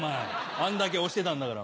あんだけ押してたんだから。